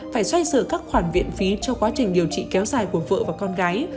phải xoay sửa các khoản viện phí cho quá trình điều trị kéo dài của vợ và con gái